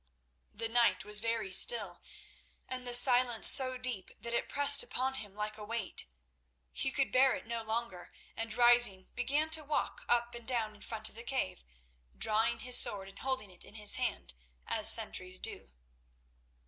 The night was very still and the silence so deep that it pressed upon him like a weight. He could bear it no longer, and rising, began to walk up and down in front of the cave, drawing his sword and holding it in his hand as sentries do.